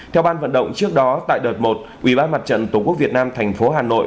theo ban vận động trước đó tại đợt một ủy ban mặt trận tổ quốc việt nam thành phố hà nội